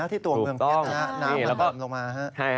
ถ้าที่ตัวเมืองเพียบหน้าน้ำมันกลับลงมา